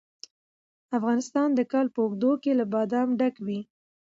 افغانستان د کال په اوږدو کې له بادام ډک وي.